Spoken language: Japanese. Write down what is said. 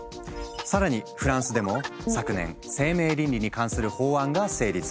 更にフランスでも昨年生命倫理に関する法案が成立。